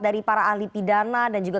dari para ahli pidana dan juga